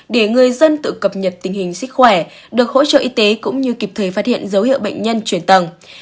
để người dân tự cập nhật tình hình sức khỏe được hỗ trợ y tế cũng như kịp thời phát hiện dấu hiệu bệnh nhân chuyển tầng